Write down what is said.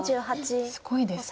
すごいですね。